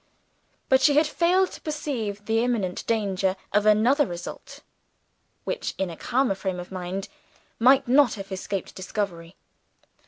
But she had failed to perceive the imminent danger of another result, which in a calmer frame of mind might not have escaped discovery.